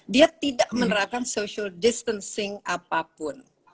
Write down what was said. dia tidak menerapkan social distancing apapun